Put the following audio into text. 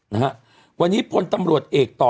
นะฮะวันนี้พลตำรวจเอกต่อ